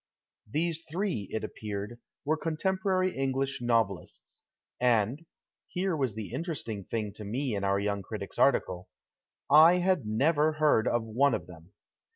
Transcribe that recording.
These three, it appeared, were contemporary English novelists, and — here was the interesting thing to me in our young critics article — I had never heard of one of them.